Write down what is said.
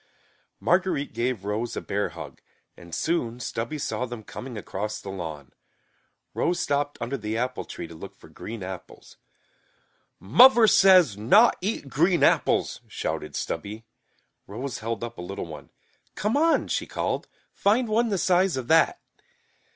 Marguerite gave Rose a bear hug and soon Stubby saw them coming across the lawn. Rose stopped under the apple tree to look for green apples. "Muvver says not eat green apples," shouted Stubby. Rose held up a little one. "Come on," she called. "Find one the size of that!"